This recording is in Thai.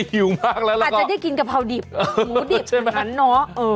หิวมากแล้วล่ะอาจจะได้กินกะเพราดิบหมูดิบขนาดนั้นเนาะ